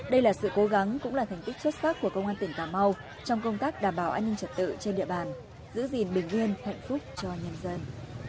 đây là sự cố gắng cũng là thành tích xuất sắc của công an tỉnh cà mau trong công tác đảm bảo an ninh trật tự trên địa bàn giữ gìn bình yên hạnh phúc cho nhân dân